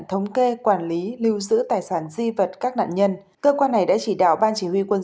thống kê quản lý lưu giữ tài sản di vật các nạn nhân cơ quan này đã chỉ đạo ban chỉ huy quân